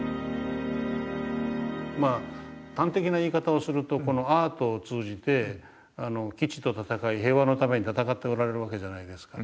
端的な言い方をするとこのアートを通じて基地と戦い平和のために闘っておられるわけじゃないですか。